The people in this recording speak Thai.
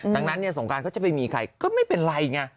ดังนั้นเนี่ยสงการเขาจะไปมีใครก็ไม่เป็นไรไง